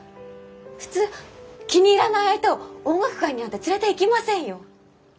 普通気に入らない相手を音楽会になんて連れていきませんよ！